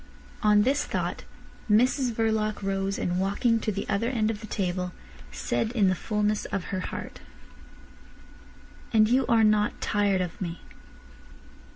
On this thought Mrs Verloc rose, and walking to the other end of the table, said in the fulness of her heart: "And you are not tired of me."